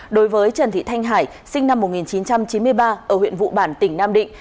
đối với trần thị thanh hải sinh năm một nghìn chín trăm chín mươi ba ở huyện vụ bản tỉnh nam định